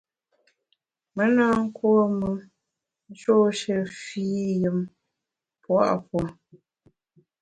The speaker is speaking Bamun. Me na nkuôme nshôshe fii yùm pua’ puo.